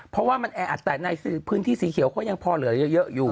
เพราะว่ามันแออัดแต่ในพื้นที่สีเขียวก็ยังพอเหลือเยอะอยู่